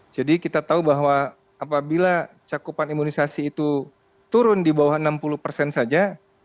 jadi kita tahu bahwa apabila cakupan imunisasi itu turun di bawah enam puluh persen saja